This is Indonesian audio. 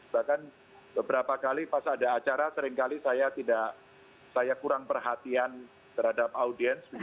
bahkan beberapa kali pas ada acara sering kali saya kurang perhatian terhadap audiens